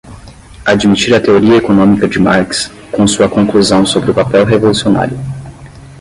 admitir a teoria econômica de Marx, com sua conclusão sobre o papel revolucionário